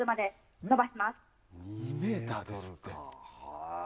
２ｍですって。